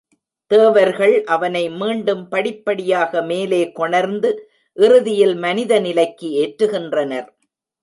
தேவர்கள் அவனை மீண்டும் படிப்படியாக மேலே கொணர்ந்து இறுதியில் மனித நிலைக்கு ஏற்றுகின்றனர்.